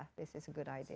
ini adalah ide yang bagus